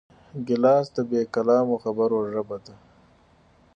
ګیلاس د بېکلامو خبرو ژبه ده.